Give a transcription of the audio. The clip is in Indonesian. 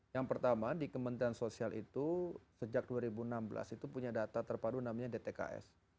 yang pertama di kementerian sosial itu sejak dua ribu enam belas itu punya data terpadu namanya dtks